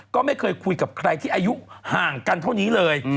ก็ไม่เคยคุยกับใครที่อายุห่างกันเท่านี้เลย